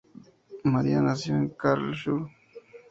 María nació en Karlsruhe.